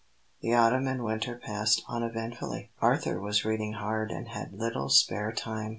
THE autumn and winter passed uneventfully. Arthur was reading hard and had little spare time.